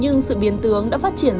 nhưng sự biến tướng đã phát triển